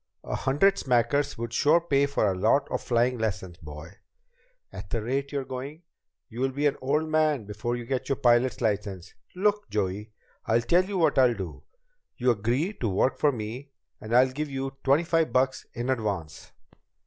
A hundred smackers would sure pay for a lot of flying lessons, boy. At the rate you're going, you'll be an old man before you get your pilot's license. Look, Joey, I'll tell you what I'll do. You agree to work for me, and I'll give you twenty five bucks in advance."